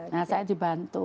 nah saya dibantu